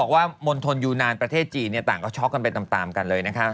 ก็ช็อคกันไปตามกันเลยนะครับ